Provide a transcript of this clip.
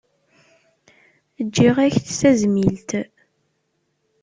Ǧǧiɣ-ak-d tazmilt.